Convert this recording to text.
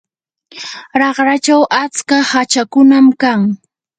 raqrachaw atska hachakunam kan.